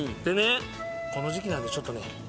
でねこの時期なんでちょっとね。